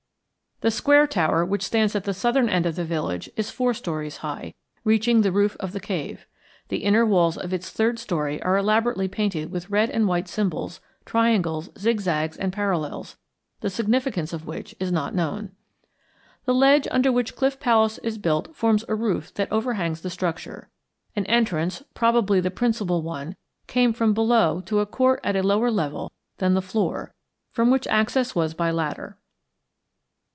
The Square Tower which stands at the southern end of the village is four stories high, reaching the roof of the cave. The inner walls of its third story are elaborately painted with red and white symbols, triangles, zigzags, and parallels, the significance of which is not known. The ledge under which Cliff Palace is built forms a roof that overhangs the structure. An entrance, probably the principal one, came from below to a court at a lower level than the floor, from which access was by ladder.